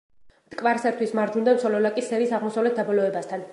მტკვარს ერთვის მარჯვნიდან სოლოლაკის სერის აღმოსავლეთ დაბოლოებასთან.